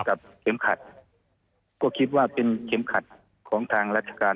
เข็มขัดก็คิดว่าเป็นเข็มขัดของทางราชการ